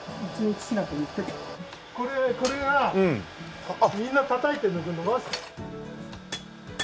これがみんなたたいて延ばす。